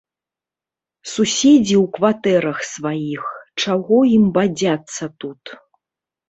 Суседзі ў кватэрах сваіх, чаго ім бадзяцца тут.